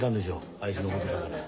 あいつのことだから。